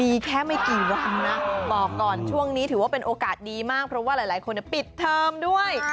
มีแค่ไม่กี่วันนะบอกก่อนช่วงนี้ถือว่าเป็นโอกาสดีมากเพราะว่าหลายคนปิดเทอมด้วย